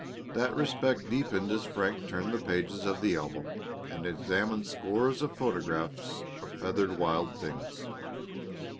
That respect deepened as Frank turned the pages of the album and examined scores of photographs of feathered wild things.